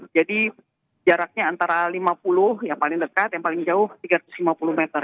jadi jaraknya antara lima puluh yang paling dekat yang paling jauh tiga ratus lima puluh meter